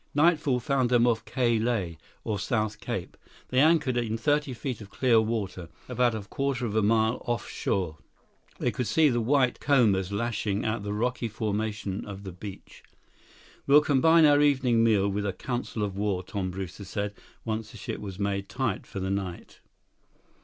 Nightfall found them off Ka Lae, or South Cape. They anchored in thirty feet of clear water, about a quarter of a mile off shore. They could see the white combers lashing at the rocky formation of the beach. "We'll combine our evening meal with a council of war," Tom Brewster said, once the ship was made tight for the night.